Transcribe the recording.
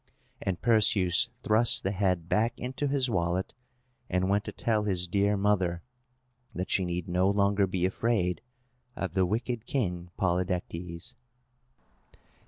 And Perseus thrust the head back into his wallet, and went to tell his dear mother that she need no longer be afraid of the wicked King Polydectes.